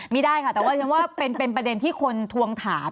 ไม่ได้ค่ะแต่ว่าฉันว่าเป็นประเด็นที่คนทวงถาม